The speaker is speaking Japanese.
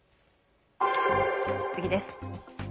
次です。